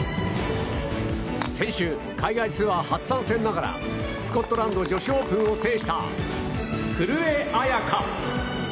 先週、海外ツアー初参戦ながらスコットランド女子オープンを制した古江彩佳。